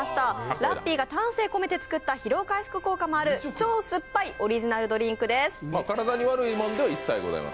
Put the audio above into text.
ラッピーが丹精込めて作った疲労回復効果もある超酸っぱいオリジナルドリンクです。